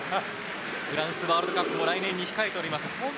フランスのワールドカップも来年に控えています。